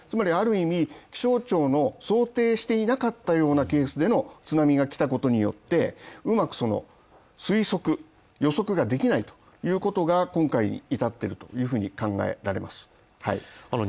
ある意味、気象庁の想定していなかったようなケースの津波がきたことによってうまく推測、予測ができないということが今回至ってるというふうに考えます。